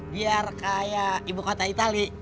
biar kaya ibu kota internalno